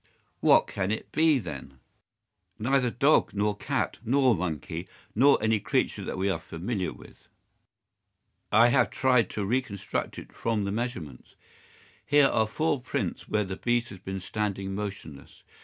"What can it be, then?" "Neither dog nor cat nor monkey nor any creature that we are familiar with. I have tried to reconstruct it from the measurements. Here are four prints where the beast has been standing motionless.